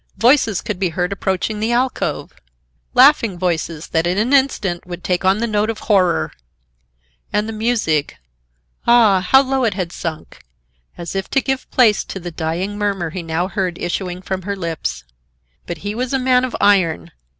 Voices could be heard approaching the alcove,—laughing voices that in an instant would take on the note of horror. And the music,—ah! how low it had sunk, as if to give place to the dying murmur he now heard issuing from her lips. But he was a man of iron.